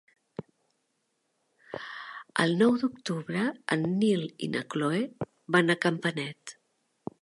El nou d'octubre en Nil i na Cloè van a Campanet.